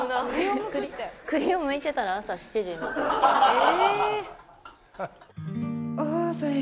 え！